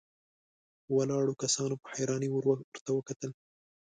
ولاړو کسانو په حيرانۍ ورته وکتل.